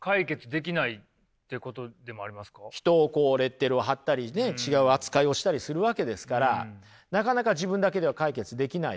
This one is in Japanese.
人をこうレッテルを貼ったりね違う扱いをしたりするわけですからなかなか自分だけでは解決できないですよね。